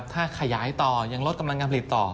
ถ้าขยายต่อยังลดกำลังการผลิตต่อ